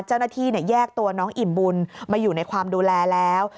เจ้าหน้าที่แยกตัวน้องอิ่มบุญมาอยู่ในความดูแลแล้ว